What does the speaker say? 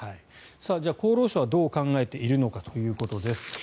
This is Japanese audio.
じゃあ、厚労省はどう考えているのかということです。